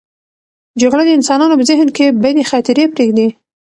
جګړه د انسانانو په ذهن کې بدې خاطرې پرېږدي.